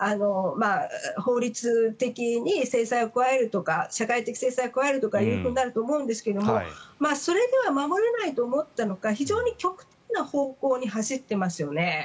法律的に制裁を加えるとか社会的制裁を加えるということになると思うんですがそれでは守れないと思ったのか非常に極端な方向に走ってますよね。